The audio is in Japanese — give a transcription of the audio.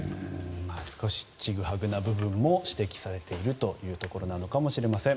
ちぐはぐな部分も指摘されているということなのかもしれません。